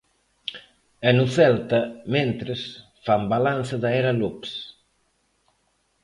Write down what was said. E no Celta, mentres, fan balance da era López.